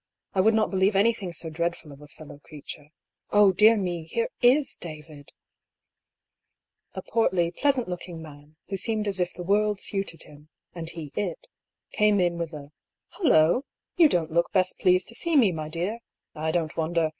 I would not believe anything so dreadful of a fellow creature. Oh, dear me, here is David !" A portly, pleasant looking man, who seemed as if the world suited him, and he it, came in with a " HuUoa 1 You don't look best pleased to see me, my dear ! I don't wonder.